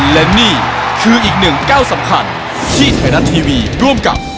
และนี่คืออีกหนึ่งก้าวสำคัญที่ไทยรัฐทีวีร่วมกับ